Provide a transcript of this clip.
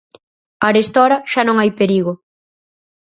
Arestora xa non hai perigo.